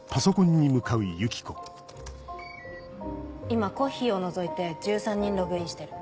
今コッヒーを除いて１３人ログインしてる。